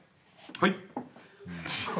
はい。